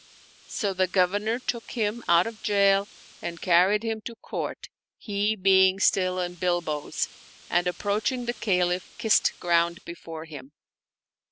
So the Governor took him out of jail and carried him to the Court (he being still in bilboes), and approach ing the Caliph kissed ground before him.